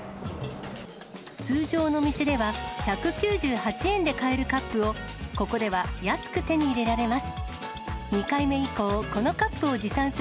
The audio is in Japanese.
通常のお店では１９８円で買えるカップを、ここでは安く手に入れられます。